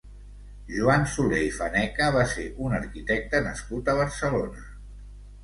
Joan Soler i Faneca va ser un arquitecte nascut a Barcelona.